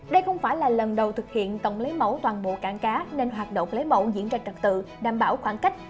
đây không phải là lần đầu thực hiện tổng lấy mẫu toàn bộ cảng cá nên hoạt động lấy mẫu diễn ra trật tự đảm bảo khoảng cách